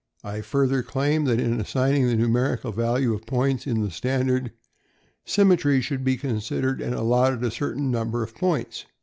I further claim that in assigning the numerical scale of points in the standard, symmetry should be considered and allotted a certain number of points.